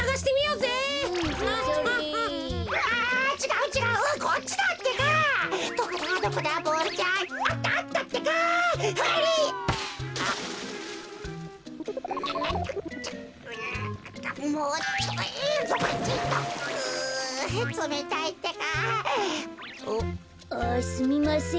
う？あすみません。